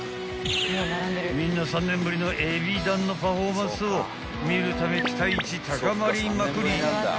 ［みんな３年ぶりのＥＢｉＤＡＮのパフォーマンスを見るため期待値高まりまくり］